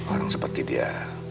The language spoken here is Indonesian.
orang seperti dia